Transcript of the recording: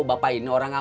bapak ini orang gak